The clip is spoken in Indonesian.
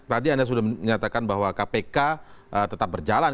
tadi anda sudah menyatakan bahwa kpk tetap berjalan